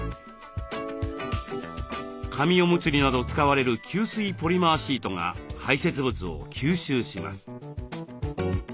紙おむつになど使われる吸水ポリマーシートが排せつ物を吸収します。